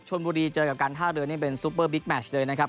บุรีเจอกับการท่าเรือนี่เป็นซูเปอร์บิ๊กแมชเลยนะครับ